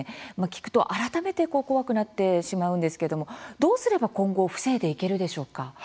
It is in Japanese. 聞くと改めて怖くなってしまうんですけれどもどうすれば今後防いでいけるでしょうか。